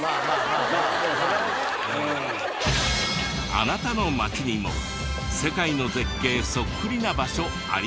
あなたの町にも世界の絶景そっくりな場所ありませんか？